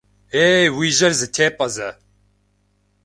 Ей, уи жьэр зэтепӏэ зэ!